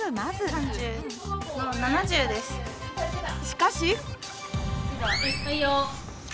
しかし。